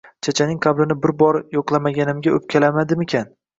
Chechaning qabrini bir bor yo`qlamaganimga o`pkaladimikan